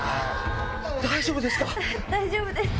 大丈夫ですか？